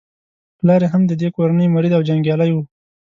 پلار یې هم د دې کورنۍ مرید او جنګیالی وو.